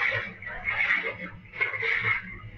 และน้องวีอ่ะ